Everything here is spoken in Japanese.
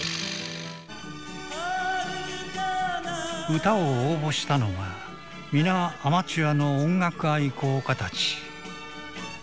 歌を応募したのは皆アマチュアの音楽愛好家たち。